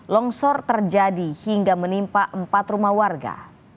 longsor terjadi hingga menimpa empat rumah warga